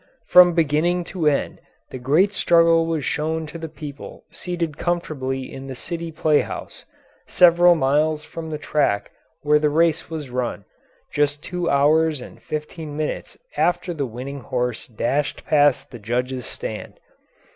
From beginning to end the great struggle was shown to the people seated comfortably in the city playhouse, several miles from the track where the race was run, just two hours and fifteen minutes after the winning horse dashed past the judges' stand.